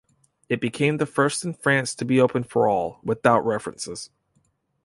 It became the first in France to be open for all, without references.